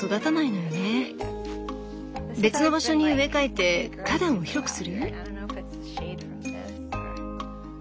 別の場所に植え替えて花壇を広くする？